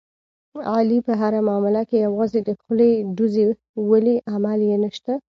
علي په هره معامله کې یوازې د خولې ډوزې ولي، عمل یې نشته.